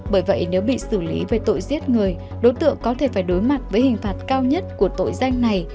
bởi vậy nếu bị xử lý về tội giết người đối tượng có thể phải đối mặt với hình phạt cao nhất của tội danh này